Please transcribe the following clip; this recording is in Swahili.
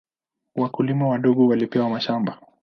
Wakulima wadogo walipewa mashamba.